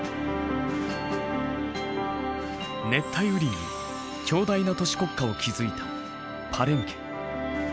熱帯雨林に強大な都市国家を築いたパレンケ。